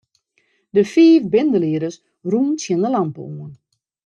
De fiif bindelieders rûnen tsjin 'e lampe oan.